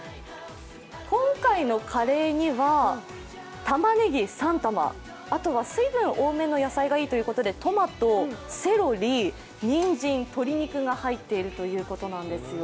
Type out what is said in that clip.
今回のカレーにはたまねぎ３玉あとは水分多めの野菜がいいということでトマト、セロリ、にんじん、鶏肉が入っているということなんですよ。